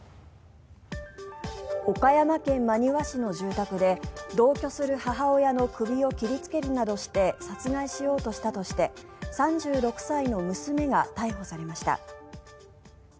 岡山県真庭市の住宅で同居する母親の首を切りつけるなどして殺害しようとしたとして３６歳の娘が逮捕されました。